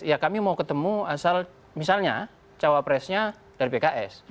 ya kami mau ketemu asal misalnya cawapresnya dari pks